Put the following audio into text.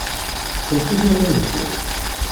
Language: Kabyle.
Tettumt idrimen-nkent?